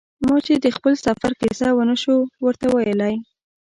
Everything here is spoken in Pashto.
ما چې د خپل سفر کیسه و نه شو ورته ویلای.